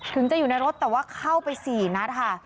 ถึงจะอยู่ในรถแต่ว่าเข้าไป๔นัดค่ะ